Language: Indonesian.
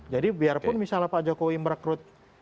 jadi biarpun misalnya pak jokowi merekrut